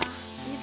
ini tuh punya putri